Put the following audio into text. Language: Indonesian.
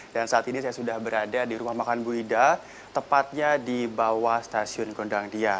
dan saat ini saya sudah berada di rumah makan bu ida tepatnya di bawah stasiun gondang dia